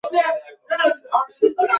এখন তাহার কিসের দায়িত্ব, কিসের ভাবনা?